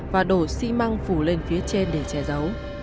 và đổ xi măng phủ lên phía trên để che giấu